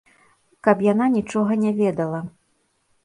Каб яна нічога не ведала.